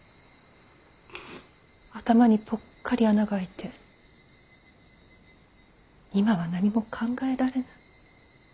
頭にぽっかり穴が開いて今は何も考えられない。